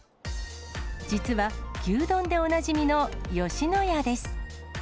実は、牛丼でおなじみの吉野家です。